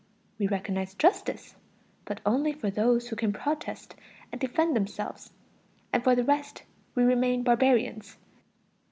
We recognize justice, but only for those who can protest and defend themselves; and for the rest, we remain barbarians.